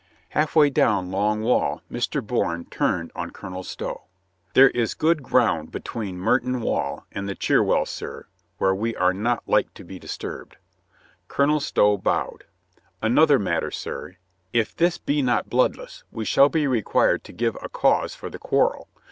Half way down Long Wall Mr. Bourne turned on Colonel Stow. "There is good ground between Mer ton Garden and the Cherwell, sir, where we are not like to be disturbed." Colonel Stow bowed. "An other matter, sir. If this be not bloodless we shall be required to give a cause for the quarrel.